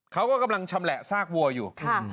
เขาก็กำลังชำแหละซากวัวอยู่